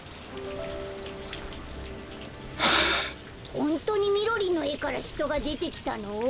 ホントにみろりんのえからひとがでてきたの？